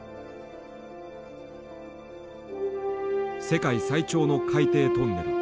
世界最長の海底トンネル。